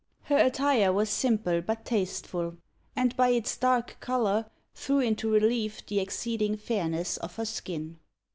Her attire was simple but tasteful, and by its dark colour threw into relief the exceeding fairness of her skin.